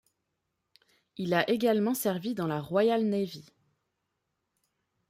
Il a également servi dans la Royal Navy.